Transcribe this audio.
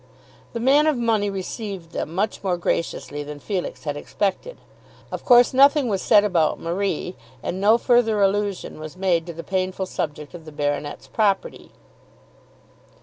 The man of money received them much more graciously than Sir Felix had expected. Of course nothing was said about Marie and no further allusion was made to the painful subject of the baronet's "property."